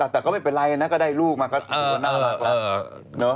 แต่ก็ไม่เป็นไรก็ได้ลูกมาก็อร่อยแล้ว